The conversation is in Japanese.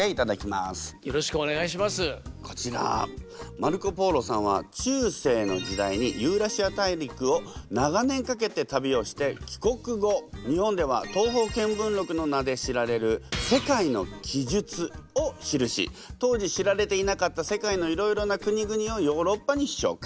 マルコ・ポーロさんは中世の時代にユーラシア大陸を長年かけて旅をして帰国後日本では「東方見聞録」の名で知られる「世界の記述」を記し当時知られていなかった世界のいろいろな国々をヨーロッパに紹介。